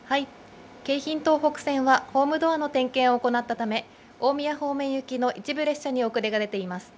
京浜東北線はホームドアの点検を行ったため、大宮方面行きの一部列車に遅れが出ています。